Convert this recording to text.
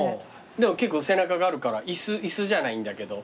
でも結構背中があるから椅子じゃないんだけど。